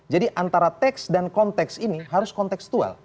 jadi antara teks dan konteks ini harus kontekstual